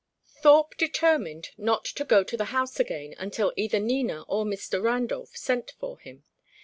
XV Thorpe determined not to go to the house again until either Nina or Mr. Randolph sent for him.